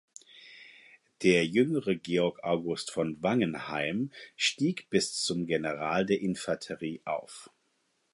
Der jüngere Georg August von Wangenheim stieg bis zum General der Infanterie auf.